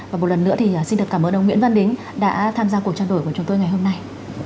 và một lần nữa thì xin được cảm ơn ông nguyễn văn đính đã tham gia cuộc trao đổi của chúng tôi ngày hôm nay